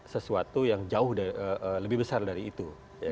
sesuatu yang jauh lebih besar dari itu